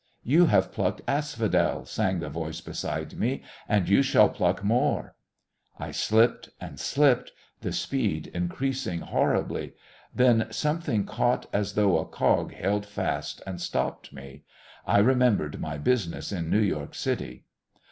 "You have plucked asphodel," sang the voice beside me, "and you shall pluck more...." I slipped and slipped, the speed increasing horribly. Then something caught, as though a cog held fast and stopped me. I remembered my business in New York City.